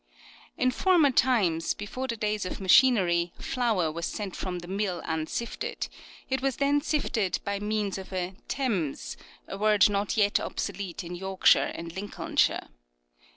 In former times, before the days of machinery, flour was sent from the mill unsifted ; it was then sifted by means of a " temse," a word not yet obsolete in Yorkshire and Lincolnshire.